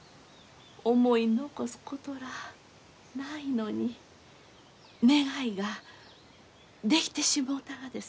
思い残すことらあないのに願いができてしもうたがです。